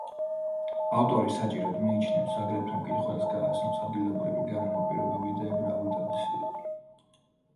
ავტორი საჭიროდ მიიჩნევს აგრეთვე მკითხველს გააცნოს ადგილობრივი გარემო პირობები და ებრაული ტრადიციები.